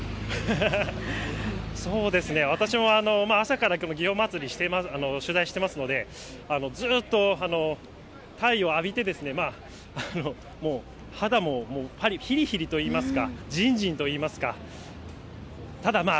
私も朝から祇園祭、取材していますので、ずっと太陽を浴びて、肌もひりひりといいますか、じんじんといいますか、ただまあ